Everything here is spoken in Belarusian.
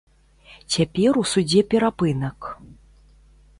Цяпер у судзе перапынак.